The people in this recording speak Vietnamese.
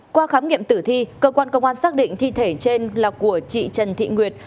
qua khám nghiệm tử thi cơ quan công an xác định thi thể trên là của chị trần thị nguyệt